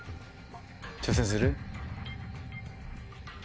挑戦する！